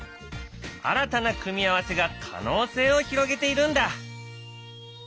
新たな組み合わせが可能性を広げているんだ。